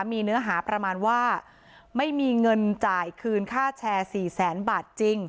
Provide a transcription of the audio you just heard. มีเนื้อหาประมาณว่าไม่มีเงินจ่ายคืนค่าแชร์๔แสนบาทจริง